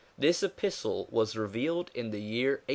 This epistle was revealed in the year 1870.